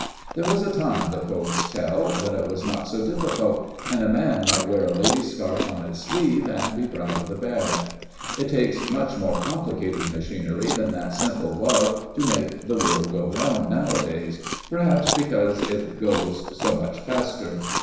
There was a time, the poets tell, when it was not so difficult, and a man might wear a lady's scarf on his sleeve, and be proud of the badge. It takes much more complicated machinery than that simple love to make the world go round, nowadays perhaps because it goes so much faster.